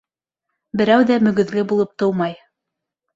Берәү ҙә мөгөҙлө булып тыумай.